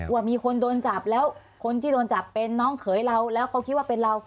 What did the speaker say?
ว่ามีคนโดนจับแล้วคนที่โดนจับเป็นน้องเขยเราแล้วเขาคิดว่าเป็นเรา